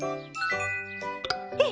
えっ！